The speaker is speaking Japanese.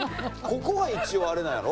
ここが一応あれなんやろ？